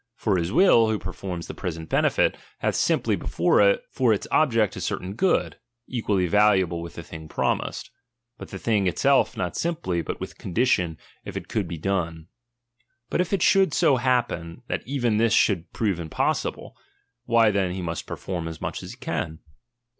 For his will, who performs the present benefit, hath simply before it for its object a certain good, equally valuable with the thing promised ; but the thing itself not simply, hut with condition if it could be done. But if it should so happen, that even this should prove impossible, why then he must perform as much as he can.